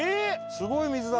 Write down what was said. すごい水だ！